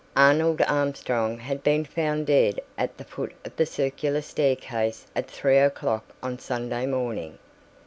Arnold Armstrong had been found dead at the foot of the circular staircase at three o'clock on Sunday morning.